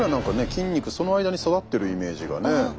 筋肉その間に育ってるイメージがね。